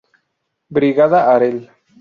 Brigada Harel